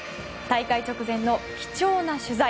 大会直前の貴重な取材。